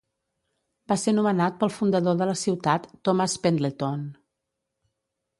Va ser nomenat pel fundador de la ciutat, Thomas Pendleton.